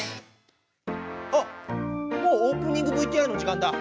あっもうオープニングＶＴＲの時間だ。